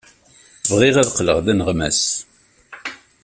Bɣiɣ ad qqleɣ d aneɣmas.